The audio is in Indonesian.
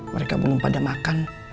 mereka belum pada makan